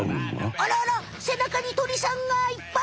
あらあらせなかに鳥さんがいっぱい！